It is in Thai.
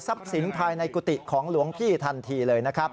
สินภายในกุฏิของหลวงพี่ทันทีเลยนะครับ